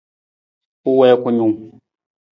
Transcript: U wii kunung.